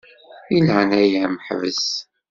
Di leɛnaya-m ḥbes.